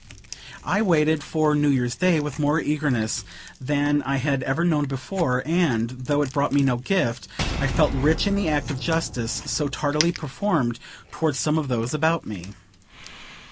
I waited for New Year's day with more eagerness than I had ever known before; and, though it brought me no gift, I felt rich in the act of justice so tardily performed toward some of those about me.